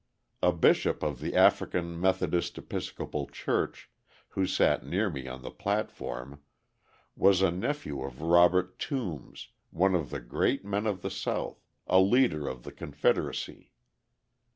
A bishop of the African Methodist Episcopal Church who sat near me on the platform was a nephew of Robert Toombs, one of the great men of the South, a leader of the Confederacy.